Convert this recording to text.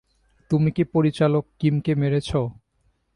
তুমি কি পরিচালক কিমকে মেরেছ?